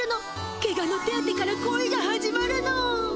ケガの手当てから恋が始まるの。